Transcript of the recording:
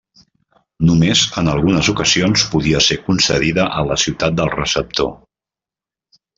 Només en algunes ocasions podia ser concedida a la ciutat del receptor.